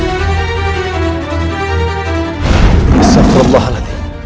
ini sangat berbahaya